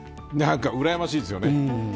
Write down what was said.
何か、うらやましいですよね。